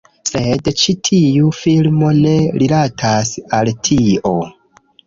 Sed ĉi tiu filmo ne rilatas al tio.